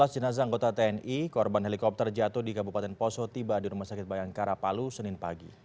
dua belas jenazah anggota tni korban helikopter jatuh di kabupaten poso tiba di rumah sakit bayangkara palu senin pagi